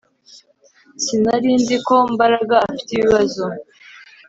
Sinari nzi ko Mbaraga afite ibibazo